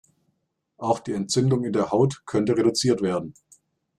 Auch die Entzündung in der Haut könnte reduziert werden.